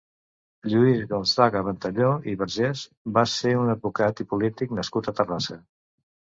Lluís Gonzaga Ventalló i Vergés va ser un advocat i polític nascut a Terrassa.